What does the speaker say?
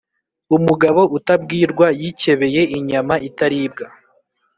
Umugabo utabwirwa yikebeye inyama itaribwa